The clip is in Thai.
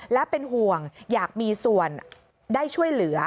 และเป็นห่วงอยากมีส่วนได้ช่วยเหลือ